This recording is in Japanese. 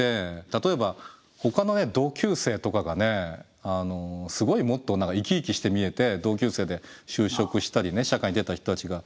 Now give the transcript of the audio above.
例えばほかの同級生とかがねすごいもっと生き生きして見えて同級生で就職したり社会に出た人たちが。